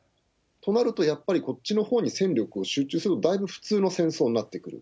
となると、やっぱりこっちのほうに戦力を集中する、だいぶ普通の戦争になってくる。